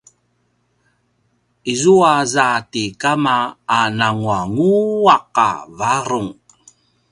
izua za ti kama a nanguanguaq a varung